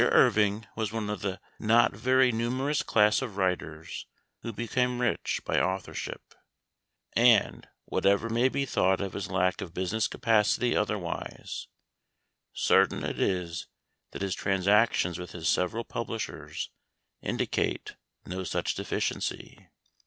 IRVING was one of the not very nu ■L' l merous class of writers who become rich by authorship ; and, whatever may be thought of his lack of business capacity otherwise, certain it is that his transactions with his several publishers indicate no such deficiency.